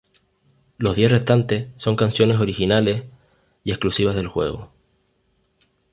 Los diez restantes son canciones originales y exclusivas del juego.